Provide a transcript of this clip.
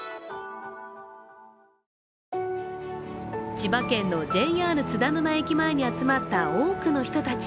千葉県のＪＲ津田沼駅前に集まった多くの人たち。